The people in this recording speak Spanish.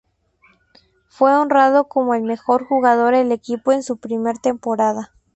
Fue honrado como el mejor jugador del equipo en su primer temporada.